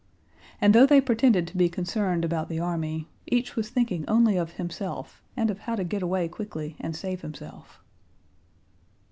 And though they pretended to be concerned about the army, each was thinking only of himself and of how to get away quickly and save himself.